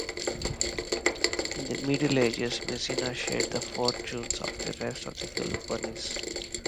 In the Middle Ages, Messenia shared the fortunes of the rest of the Peloponnese.